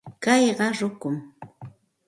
Kayqa rukum.